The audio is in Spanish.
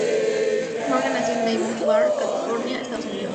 Morgan nació en Diamond Bar, California, Estados Unidos.